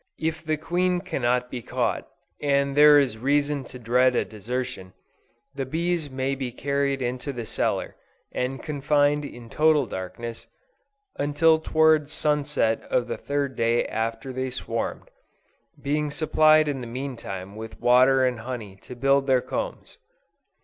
If the queen cannot be caught, and there is reason to dread a desertion, the bees may be carried into the cellar, and confined in total darkness, until towards sun set of the third day after they swarmed, being supplied in the mean time with water and honey to build their combs.